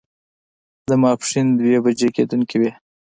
د ماسپښين دوه بجې کېدونکې وې.